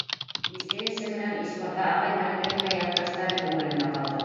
Изге эше менән Ишмырҙа ағай мәңгелеккә яҡташтары күңелендә ҡалды.